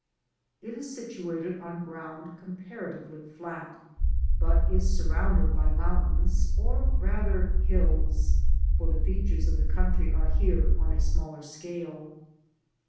It is situated on ground comparatively flat, but is surrounded by mountains, or rather, hills ; for the features of the country are here on a smaller scale.